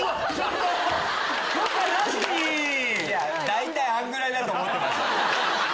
大体あんぐらいだと思ってました。